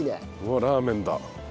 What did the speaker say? うわラーメンだ。